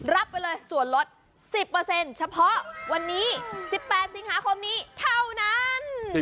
รับไปเลยส่วนลด๑๐เฉพาะวันนี้๑๘สิงหาคมนี้เท่านั้น